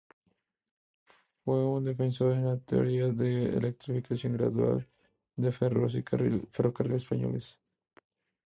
Fue un defensor de la teoría de la electrificación gradual de los ferrocarriles españoles.